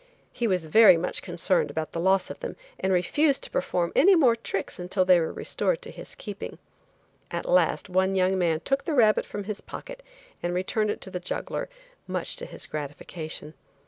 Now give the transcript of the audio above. He was very much concerned about the loss of them and refused to perform any more tricks until they were restored to his keeping. At last one young man took the rabbit from his pocket and returned it to the juggler, much to his gratification.